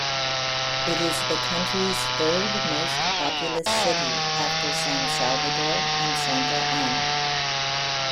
It is the country's third most populous city after San Salvador and Santa Ana.